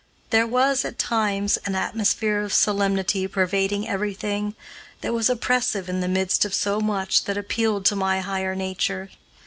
There was, at times, an atmosphere of solemnity pervading everything, that was oppressive in the midst of so much that appealed to my higher nature.